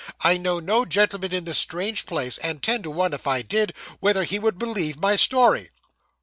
I know no gentleman in this strange place; and ten to one if I did, whether he would believe my story.